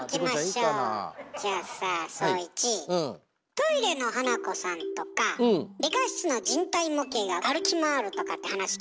トイレの花子さんとか理科室の人体模型が歩き回るとかって話聞いたことある？